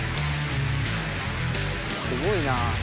すごいなあ。